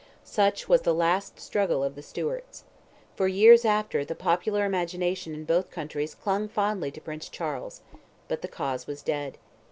Such was the last struggle of the Stuarts. For years after, the popular imagination in both countries clung fondly to Prince Charles. But the cause was dead.